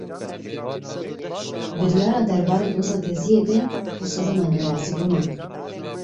Biryara derbarê Doza Geziyê de bû sedema nerazîbûnan.